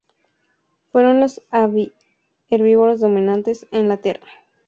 Fueron los herbívoros dominantes en la Tierra durante la mayor parte del Triásico.